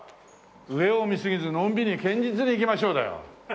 「上を見過ぎずのんびり堅実にいきましょう」だよ。